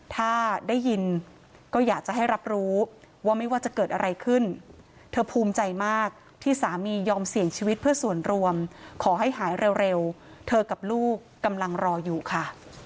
ถ้าได้ยินก็อยากจะให้รับรู้ว่าไม่ว่าจะเกิดอะไรขึ้นเธอภูมิใจมากที่สามียอมเสี่ยงชีวิตเพื่อส่วนรวมขอให้หายเร็วเธอกับลูกกำลังรออยู่ค่ะ